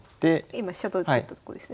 今飛車で取ったとこですね。